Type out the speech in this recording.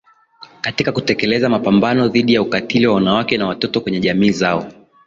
katika kutekeleza mapambano dhidi ya ukatili wa wanawake na watoto kwenye jamii zao